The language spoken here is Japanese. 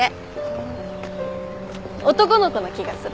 うん男の子な気がする。